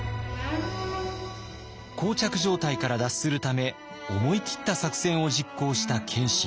膠着状態から脱するため思い切った作戦を実行した謙信。